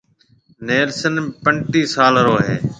نيلسن پنٽِي سال رو ھيََََ